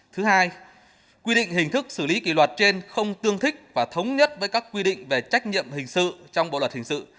thứ hai quy định hình thức xử lý kỷ luật trên không tương thích và thống nhất với các quy định về trách nhiệm hình sự trong bộ luật hình sự